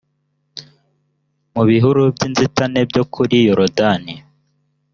mu bihuru by’ inzitane byo kuri yorodani